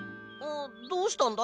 どうしたんだ？